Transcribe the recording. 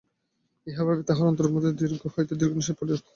ইহা ভাবিয়া তাঁহার অন্তরের মধ্য হইতে দীর্ঘনিশ্বাস পড়িল।